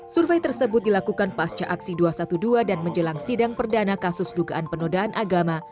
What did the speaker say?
survei tersebut dilakukan pasca aksi dua ratus dua belas dan menjelang sidang perdana kasus dugaan penodaan agama